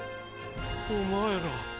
お前ら。